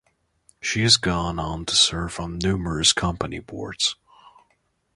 She has gone on to serve on numerous company boards.